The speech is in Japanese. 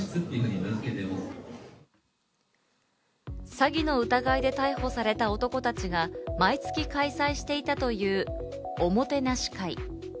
詐欺の疑いで逮捕された男たちが毎月開催していたという、おもてなし会。